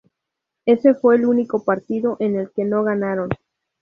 Ese fue el único partido en el que no ganaron.